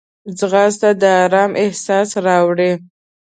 ځغاسته د آرام احساس راوړي